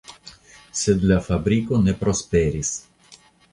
Sed la fabriko ne prosperis.